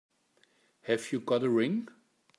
Have you got a ring?